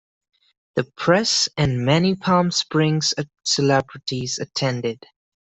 The press and many Palm Springs celebrities attended.